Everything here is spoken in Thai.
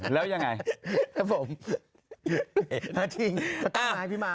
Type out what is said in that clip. แล้วยังไง